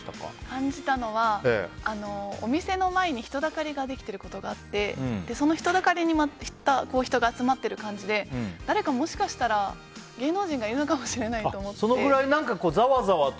感じたのはお店の前に人だかりができていることがあってその人だかりにまた人が集まってる感じで誰か、もしかしたら芸能人がそのくらいざわざわと。